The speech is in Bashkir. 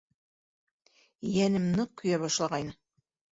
Йәнем ныҡ көйә башлағайны.